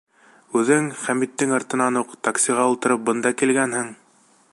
Үҙең, Хәмиттең артынан уҡ, таксиға ултырып, бында килгәнһең.